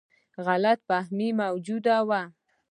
غلط فهمي موجوده وه.